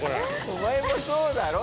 お前もそうだろ。